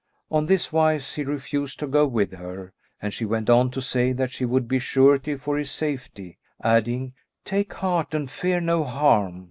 On this wise he refused to go with her and she went on to say that she would be surety for his safety, adding, "Take heart and fear no harm!"